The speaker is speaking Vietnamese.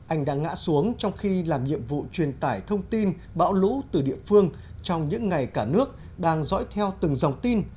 anh đã ngã xuống trong khi làm nhiệm vụ truyền tải thông tin bão lũ từ địa phương trong những ngày cả nước đang dõi theo từng dòng tin